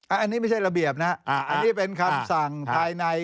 อันนี้ไม่ใช่ระเบียบนะอันนี้เป็นคำสั่งภายใน